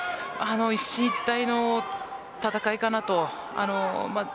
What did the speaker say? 一進一退の戦いかなと思います。